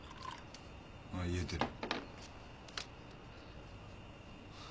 ああ言えてる。